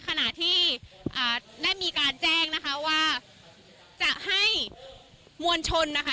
ขณะที่อ่าได้มีการแจ้งนะคะว่าจะให้มวลชนนะคะ